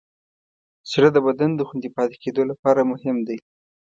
زړه د بدن د خوندي پاتې کېدو لپاره مهم دی.